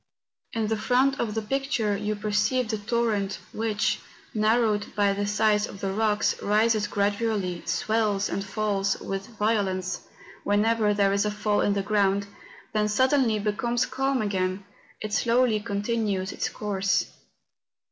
In the front of the picture you perceive the toiTent, which, narrowed by the sides of the rocks, rises gradually, swells and falls with vio¬ lence whenever there is a fall in the ground, then suddenly becoming calm again, it slowly continues its course.